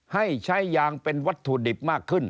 ให้ใช้ยางเป็นวัตถุดิบมากขึ้น